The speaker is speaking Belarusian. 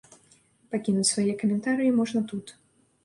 Пакінуць свае каментарыі можна тут.